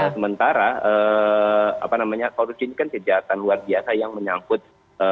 sementara korupsi ini kan kejahatan luar biasa yang menyangkut